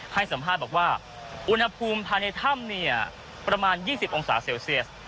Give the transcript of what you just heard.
ให้สัมภาษณ์บอกว่าอุณหภูมิภายในถ้ำประมาณ๒๐องศาเซลเซียส